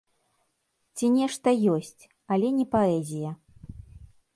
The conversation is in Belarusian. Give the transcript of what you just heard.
Ці нешта ёсць, але не паэзія.